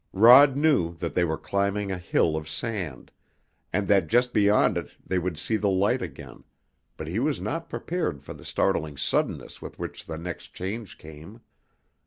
Rod knew that they were climbing a hill of sand, and that just beyond it they would see the light again, but he was not prepared for the startling suddenness with which the next change came.